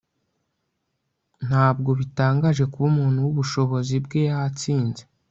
Ntabwo bitangaje kuba umuntu wubushobozi bwe yatsinze